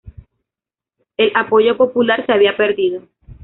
El apoyo popular se había perdido.